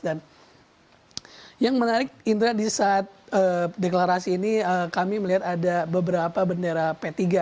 dan yang menarik indra di saat deklarasi ini kami melihat ada beberapa bendera p tiga